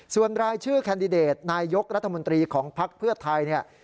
ส่วนรายชื่อแคนดิเดตนายกรัฐมนตรีของภักดิ์เพื่อไทยเนี่ย